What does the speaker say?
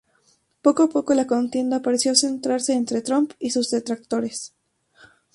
Poco a poco la contienda pareció centrarse entre Trump y sus detractores.